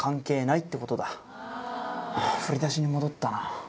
振り出しに戻ったな。